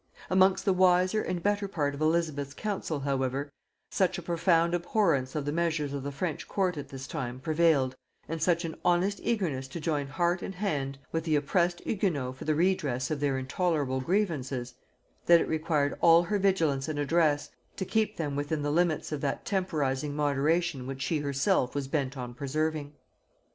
Amongst the wiser and better part of Elizabeth's council however, such a profound abhorrence of the measures of the French court at this time prevailed, and such an honest eagerness to join heart and hand with the oppressed Hugonots for the redress of their intolerable grievances, that it required all her vigilance and address to keep them within the limits of that temporizing moderation which she herself was bent on preserving.